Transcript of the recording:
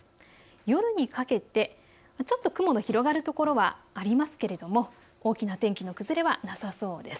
夜にかけて雲の広がる所がありますけれども大きな天気の崩れはなさそうです。